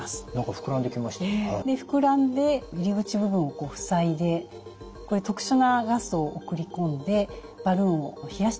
膨らんで入り口部分を塞いで特殊なガスを送り込んでバルーンを冷やしてます。